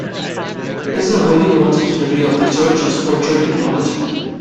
It is a wholly owned subsidiary of the Church of Spiritual Technology.